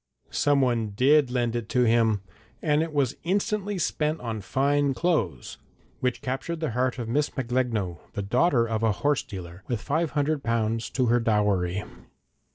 Someone did lend it to him, and it was instantly spent on fine clothes which captured the heart of Miss Macglegno, the daughter of a horse dealer, with five hundred pounds to her dowry.